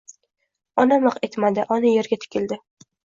Ona miq etmadi. Ona yerga tikildi.